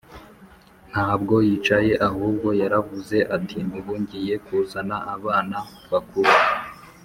ntabwo yicaye ahubwo yaravuze ati: "ubu ngiye kuzana abana bakuru